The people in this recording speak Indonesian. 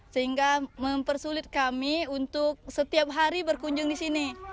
sehingga mempersulit kami untuk setiap hari berkunjung di sini